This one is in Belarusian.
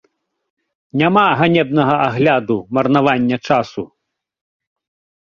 Няма ганебнага агляду, марнавання часу!